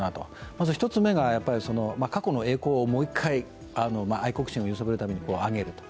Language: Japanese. まず１つ目が、過去の栄光をもう１回愛国心を揺さぶるために揚げると。